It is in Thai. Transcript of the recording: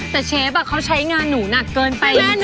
แต่เชฟเขาใช้งานหนูหนักเกินไป